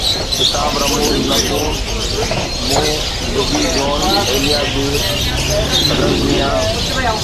ڪتاب رموز نخون مون بجهي جون ايليا جي رزميا